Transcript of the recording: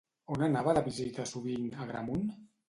On anava de visita sovint Agramunt?